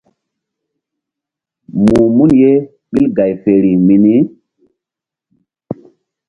Muh mun ye ɓil gay feri mini.